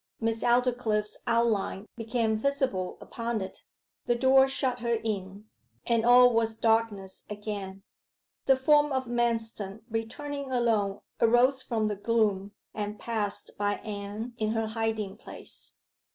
Miss Aldclyffe's outline became visible upon it; the door shut her in, and all was darkness again. The form of Manston returning alone arose from the gloom, and passed by Anne in her hiding place.